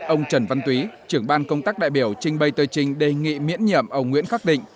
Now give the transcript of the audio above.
ông trần văn túy trưởng ban công tác đại biểu trình bày tờ trình đề nghị miễn nhiệm ông nguyễn khắc định